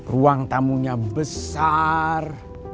ruang tamunya besar